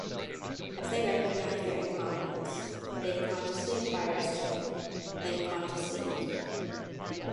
As they recognize their incompetence, they consciously acquire a skill, then consciously use it.